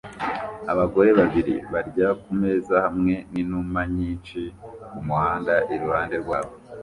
abagore babiri barya kumeza hamwe ninuma nyinshi kumuhanda iruhande rwabo